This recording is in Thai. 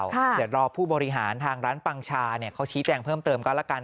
เดี๋ยวรอผู้บริหารทางร้านปังชาเขาชี้แจงเพิ่มเติมก็แล้วกัน